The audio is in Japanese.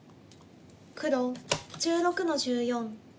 黒１６の十四。